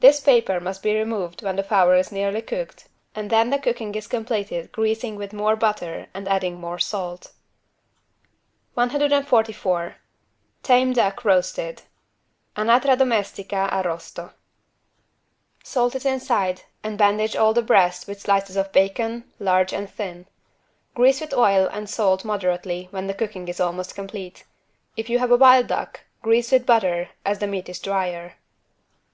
This paper must be removed when the fowl is nearly cooked, and then the cooking is completed greasing with more butter and adding more salt. 144 TAME DUCK ROASTED (Anatra domestica arrosto) Salt it inside and bandage all the breast with slices of bacon, large and thin. Grease with oil and salt moderately when the cooking is almost complete. If you have a wild duck grease with butter, as the meat is drier.